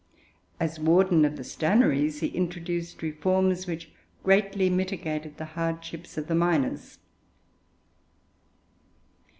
As Warden of the Stannaries he introduced reforms which greatly mitigated the hardships of the miners.